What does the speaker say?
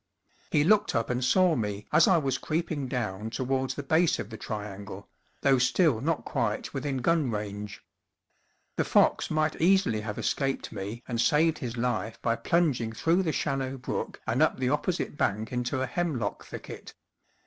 He looked up and saw me as I was creeping down towards the base of the triangle, though still not quite within gun range. The fox might easily have escaped me and saved his life by plunging through the shallow brook and up the opposite bank into a hemlock thicket.